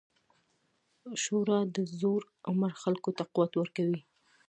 ښوروا د زوړ عمر خلکو ته قوت ورکوي.